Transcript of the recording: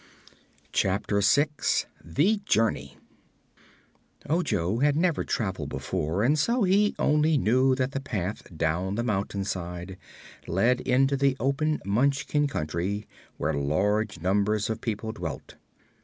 Chapter Six The Journey Ojo had never traveled before and so he only knew that the path down the mountainside led into the open Munchkin Country, where large numbers of people dwelt.